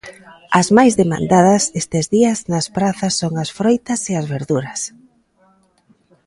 As máis demandadas estes días nas prazas son as froitas e as verduras.